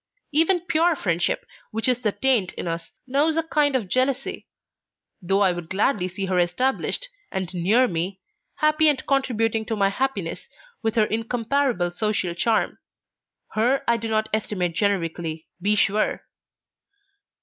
Even pure friendship, such is the taint in us, knows a kind of jealousy; though I would gladly see her established, and near me, happy and contributing to my happiness with her incomparable social charm. Her I do not estimate generically, be sure."